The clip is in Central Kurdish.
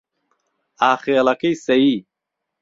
ئا خێڵهکهی سهیی